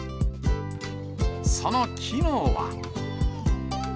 その機能は。